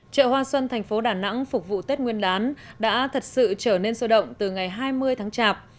chợ hoa xuân thành phố đà nẵng phục vụ tết nguyên đán đã thật sự trở nên sôi động từ ngày hai mươi tháng chạp